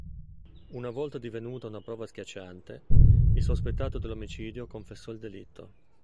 Una volta divenuta una prova schiacciante, il sospettato dell'omicidio confessò il delitto.